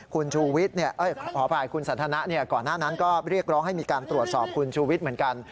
คุณชูวิทย์ขออภัยคุณสันทนะก่อนหน้านั้นก็เรียกร้องให้มีการตรวจสอบคุณชูวิทย์เหมือนกัน